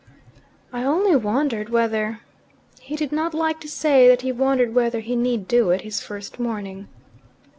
"I only wondered whether " He did not like to say that he wondered whether he need do it his first morning.